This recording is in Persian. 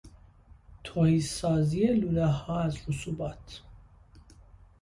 تهیسازی لولهها از رسوبات